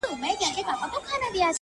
دا د دوران د درياب کوم ګودر ته ورسېدم